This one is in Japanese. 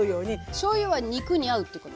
しょうゆは肉に合うっていうこと？